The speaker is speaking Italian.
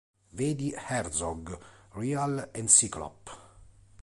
Vedi Herzog, "Real-Encyklop".